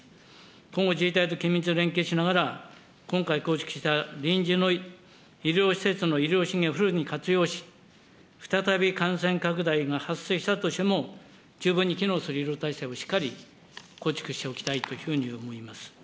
今後、自治体と緊密に連携しながら、今回、構築した臨時の医療施設の医療資源をフルに活用し、再び感染拡大が発生したとしても、十分に機能する医療体制をしっかり構築しておきたいというふうに思います。